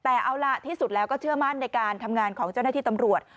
แต่เอาล่ะที่สุดแล้วก็เชื่อมั่นในการทำงานของเจ้าหน้าที่ตำรวจ